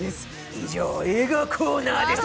以上、映画コーナーです。